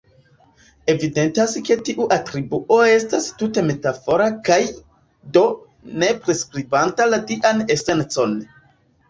Evidentas ke tiu atribuo estas tute metafora kaj, do, ne priskribanta la dian esencon.